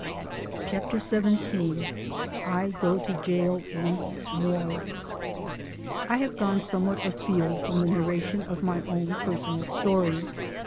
CHAPTER XVII I GO TO JAIL ONCE MORE I HAVE gone somewhat afield from the narration of my own personal story.